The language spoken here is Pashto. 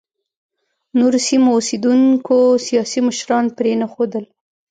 نورو سیمو اوسېدونکو سیاسي مشران پرېنښودل.